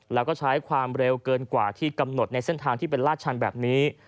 แล้วก็ใช้ความเร็วเกินกว่าที่กำหนดในเส้นทางที่เป็นลาดชันแบบนี้